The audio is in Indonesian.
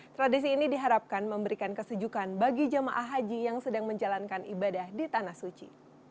tradisi ini diharapkan memberikan kesejukan bagi jemaah haji yang sedang menjalankan ibadah di tanah suci